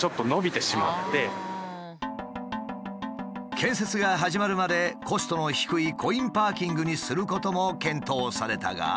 建設が始まるまでコストの低いコインパーキングにすることも検討されたが。